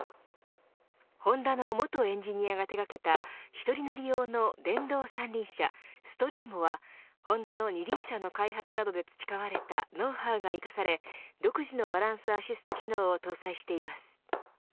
ホンダの元エンジニアが手がけた１人乗り用の電動三輪車Ｓｔｒｉｅｍｏはホンダの二輪車の開発などで培われたノウハウなどが生かされ独自のバランスアシスト機能を搭載しています。